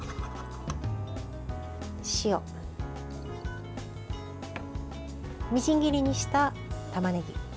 塩、みじん切りにしたたまねぎ。